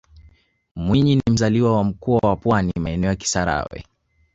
mwinyi ni mzalia wa mkoa wa pwani maeneo ya kisarawe